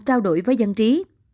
trao đổi với dân trí